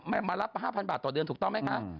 มารับ๕๐๐บาทต่อเดือนถูกต้องไหมคะ